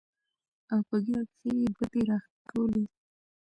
او پۀ ږيره کښې يې ګوتې راښکلې